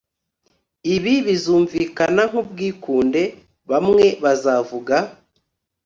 ibi bizumvikana nkubwikunde, bamwe bazavuga